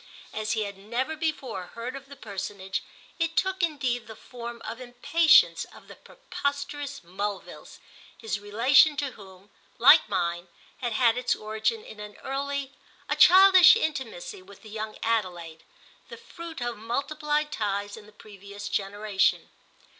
As he had never before heard of the personage it took indeed the form of impatience of the preposterous Mulvilles, his relation to whom, like mine, had had its origin in an early, a childish intimacy with the young Adelaide, the fruit of multiplied ties in the previous generation.